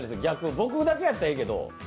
僕だけやったらいいけど。